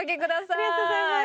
ありがとうございます。